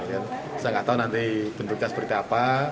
saya nggak tahu nanti bentuknya seperti apa